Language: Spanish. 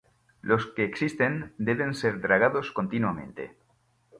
Los que existen, deben ser dragados continuamente.